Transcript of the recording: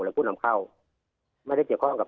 ผู้นำเข้าไม่ได้เกี่ยวข้องกับ